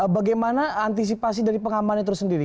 bagaimana antisipasi dari pengamannya itu sendiri